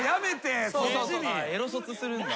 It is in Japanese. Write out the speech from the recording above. エロ卒するんだ。